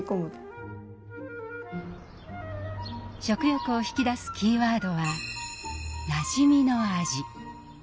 食欲を引き出すキーワードは「なじみの味」。